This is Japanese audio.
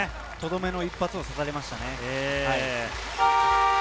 とどめの一発を刺されましたよね。